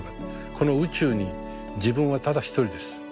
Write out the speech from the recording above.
この宇宙に自分はただ一人です。